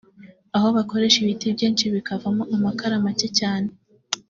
aho bakoresha ibiti byinshi bikavamo amakara make cyane